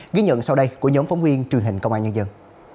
ghi nhận sau đây của nhóm phóng viên truyền hình công an nhân dân